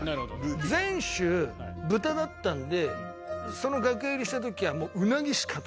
前週豚だったんでその楽屋入りしたときはもううなぎしか頭になかったの。